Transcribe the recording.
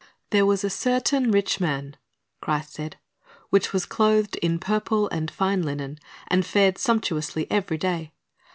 "There was a certain rich man," Christ said, "which was clothed in purple and fine linen, and fared sumptuously every day.